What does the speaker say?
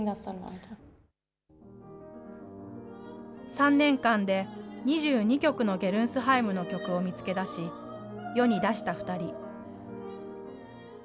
３年間で２２曲のゲルンスハイムの曲を見つけ出し、世に出した２人。